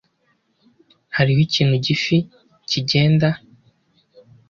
Hariho ikintu gifi kigenda.